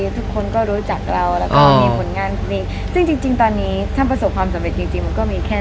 ทุกวันทุกวันทุกวันทุกวัน